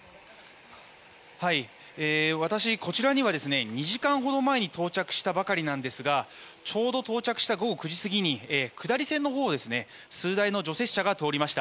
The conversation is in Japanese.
私、こちらには２時間ほど前に到着したばかりなんですがちょうど到着した午後９時過ぎに下り線のほうを数台の除雪車が通りました。